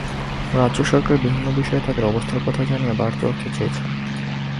রাজ্য সরকার বিভিন্ন বিষয়ে তাদের অবস্থার কথা জানিয়ে বাড়তি অর্থ চেয়েছে।